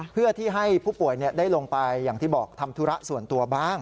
เพื่อที่ให้ผู้ป่วยได้ลงไปอย่างที่บอกทำธุระส่วนตัวบ้าง